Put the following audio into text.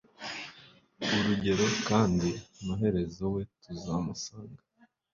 urugero, kandi amaherezo we tuzamusanga